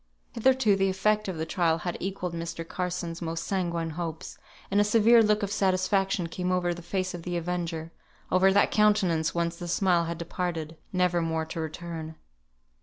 Hitherto the effect of the trial had equalled Mr. Carson's most sanguine hopes, and a severe look of satisfaction came over the face of the avenger, over that countenance whence the smile had departed, never more to return.